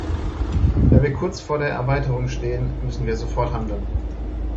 Da wir kurz vor der Erweiterung stehen, müssen wir sofort handeln.